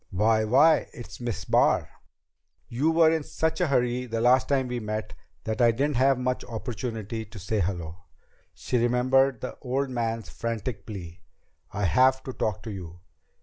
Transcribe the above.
"Why why, it's Miss Barr." "You were in such a hurry the last time we met that I didn't have much opportunity to say hello." She remembered the old man's frantic plea: "I have to talk to you!"